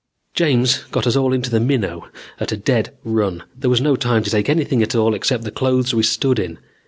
"James got us all into the Minnow at a dead run. There was no time to take anything at all except the clothes we stood in.